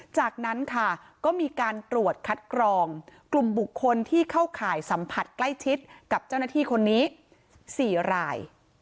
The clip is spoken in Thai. จากนั้นค่ะก็มีการตรวจคัดกรองกลุ่มบุคคลที่เข้าข่ายสัมผัสใกล้ชิดกับเจ้าหน้าที่คนนี้๔ราย